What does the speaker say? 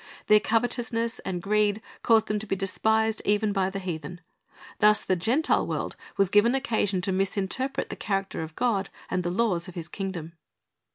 Their covetoLisness and greed caused them to be despised even by the heathen. Thus the Gentile world was given occasion to misinterpret the character of God and the laws of His kingdom.